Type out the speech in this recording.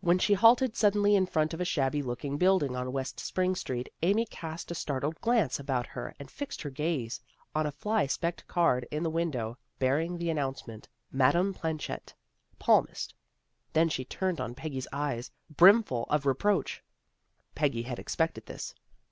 When she halted suddenly in front of a shabby looking building on West Spring Street Amy cast a startled glance about her and fixed her gaze on a fly specked card hi the window, bearing the announcement, " Ma dame Planchet, Palmist." Then she turned on Peggy eyes brimful of reproach. Peggy had expected this.